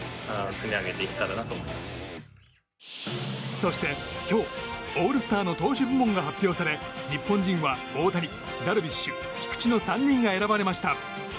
そして今日、オールスターの投手部門が発表され日本人は大谷、ダルビッシュ菊池の３人が選ばれました。